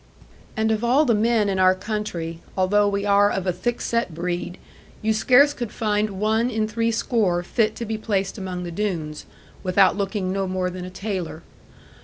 And of all the men in our country, although we are of a thick set breed, you scarce could find one in three score fit to be placed among the Doones, without looking no more than a tailor.